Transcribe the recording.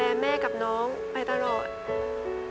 แต่ที่แม่ก็รักลูกมากทั้งสองคน